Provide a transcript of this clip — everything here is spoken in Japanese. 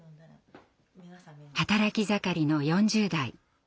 働き盛りの４０代。